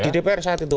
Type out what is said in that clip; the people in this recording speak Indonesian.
di dpr saat itu